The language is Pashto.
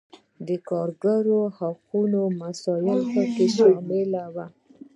د کارګرو حقونو مسایل پکې شامل وو.